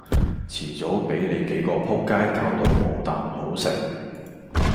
遲早比你幾個仆街攪到冇啖好食